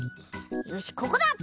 よしここだ！